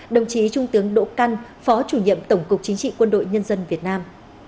đồng chí trung tướng đỗ căn phó chủ nhiệm tổng cục chính trị quân đội nhân dân việt nam